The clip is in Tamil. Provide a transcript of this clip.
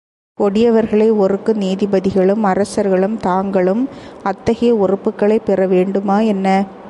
கொடியவர்களை ஒறுக்கும் நீதிபதிகளும் அரசர்களும் தாங்களும் அத்தகைய ஒறுப்புகளைப் பெற வேண்டுமா என்ன?